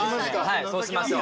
そうしましょう。